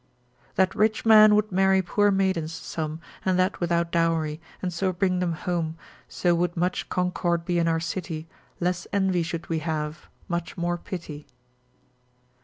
That rich men would marry poor maidens some, And that without dowry, and so bring them home, So would much concord be in our city, Less envy should we have, much more pity.